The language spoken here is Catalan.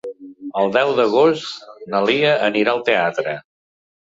El deu d'agost na Lia anirà al teatre.